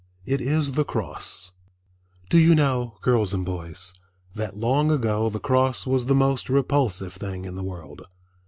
It is the Cross. Do you know, girls and boys, that long ago the cross was the most repulsive thing in the world?